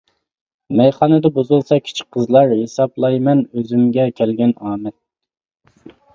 مەيخانىدا بۇزۇلسا كىچىك قىزلار، ھېسابلايمەن ئۈزۈمگە كەلگەن ئامەت.